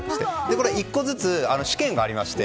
これは１個ずつ試験がありまして。